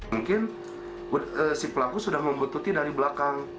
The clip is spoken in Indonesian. mungkin si pelaku sudah membutuhkan dari belakang